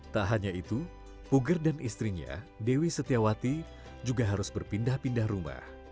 tak hanya itu puger dan istrinya dewi setiawati juga harus berpindah pindah rumah